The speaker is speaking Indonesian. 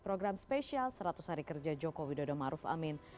program spesial seratus hari kerja joko widodo maruf amin